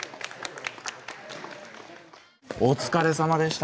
お疲れさまでした。